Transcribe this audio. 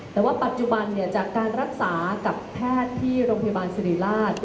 แต่ว่าปัจจุบันจากการรักษากับแพทย์ที่โรงพยาบาลสิริราช